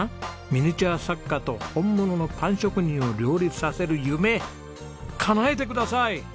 ミニチュア作家と本物のパン職人を両立させる夢叶えてください！